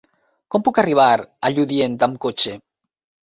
Com puc arribar a Lludient amb cotxe?